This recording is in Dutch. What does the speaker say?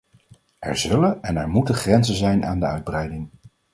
Er zullen en er moeten grenzen zijn aan de uitbreiding.